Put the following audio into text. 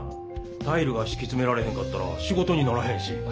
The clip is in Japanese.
タイルがしきつめられへんかったら仕事にならへんし。